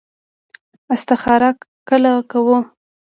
استخاره کله کوو؟